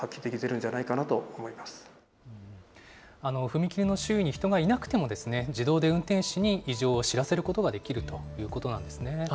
踏切の周囲に人がいなくても、自動で運転士に異常を知らせることができるということなんですね。